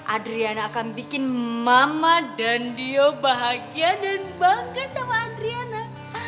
adriana akan bikin mama dan dia bahagia dan bangga sama adriana